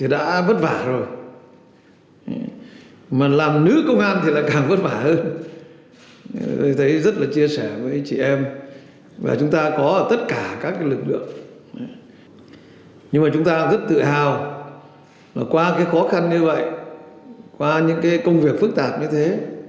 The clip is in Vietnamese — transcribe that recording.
dù ở đâu trên cương vị nào qua khó khăn như vậy qua những công việc phức tạp như thế